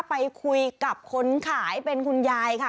ไปคุยกับคนขายเป็นคุณยายค่ะ